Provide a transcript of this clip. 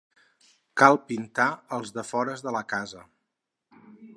Cal pintar els defores de la casa.